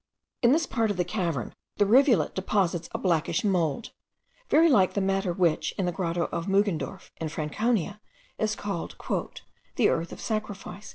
In this part of the cavern, the rivulet deposits a blackish mould, very like the matter which, in the grotto of Muggendorf, in Franconia, is called "the earth of sacrifice."